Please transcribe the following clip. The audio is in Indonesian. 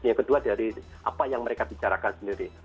yang kedua dari apa yang mereka bicarakan sendiri